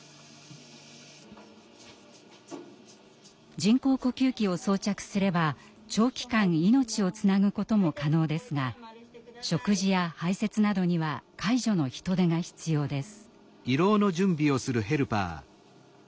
人工呼吸器を装着すれば長期間命をつなぐことも可能ですが食事や排せつなどには介助の人手が必要です。